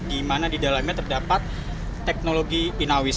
di mana di dalamnya terdapat teknologi inawis